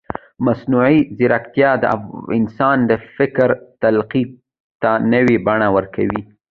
مصنوعي ځیرکتیا د انسان د فکر تقلید ته نوې بڼه ورکوي.